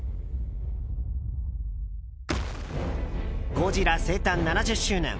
「ゴジラ」生誕７０周年。